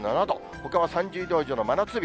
ほかは３０度以上の真夏日。